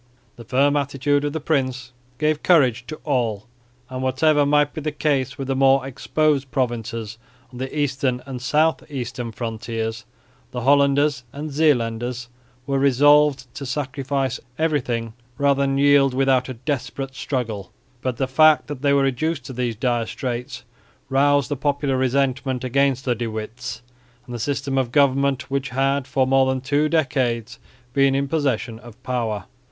The firm attitude of the prince gave courage to all; and, whatever might be the case with the more exposed provinces on the eastern and south eastern frontiers, the Hollanders and Zeelanders were resolved to sacrifice everything rather than yield without a desperate struggle. But the fact that they were reduced to these dire straits roused the popular resentment against the De Witts and the system of government which had for more than two decades been in possession of power.